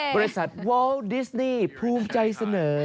บริษัทวาลน์ดิสนีโพรธ์ใจเสนอ